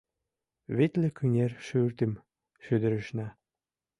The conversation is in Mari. Витле кынер шӱртым шӱдырышна